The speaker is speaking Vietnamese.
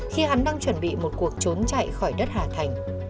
khi hắn đang chuẩn bị một cuộc trốn chạy khỏi đất hà thành